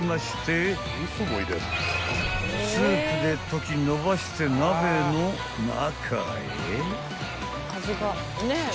［スープで溶きのばして鍋の中へ］